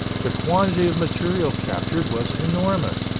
The quantity of material captured was enormous.